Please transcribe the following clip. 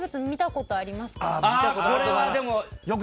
これはでも。